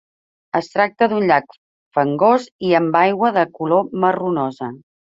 Es tracta d'un llac fangós i amb l'aigua de color marronosa.